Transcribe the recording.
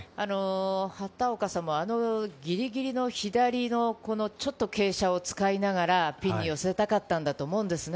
畑岡さんもあのぎりぎりの左のちょっと傾斜を使いながら、ピンに寄せたかったんだと思うんですね。